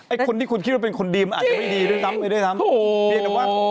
ไอ้คนที่คุณคิดว่าเป็นคนดีมันอาจจะไม่ดีด้วยซ้ำ